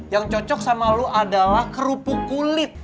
yang cocok sama lo adalah kerupuk kulit